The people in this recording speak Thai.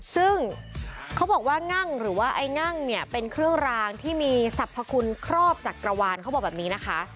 ซึ่งเขาบอกว่างั่งหรือว่าไอ้งั่งเนี่ยเป็นเครื่องรางที่มีสรรพคุณครอบจักรวาลเขาบอกแบบนี้นะคะ